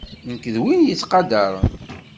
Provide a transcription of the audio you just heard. Nekk d win yettqadaren.